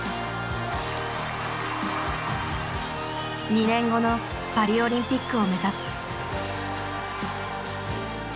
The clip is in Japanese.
２年後のパリオリンピックを目指す。